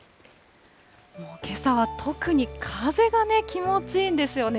もうけさは特に風がね、気持ちいいんですよね。